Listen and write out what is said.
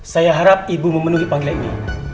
saya harap ibu memenuhi panggilan ini